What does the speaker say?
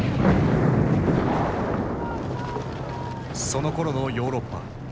そのころのヨーロッパ。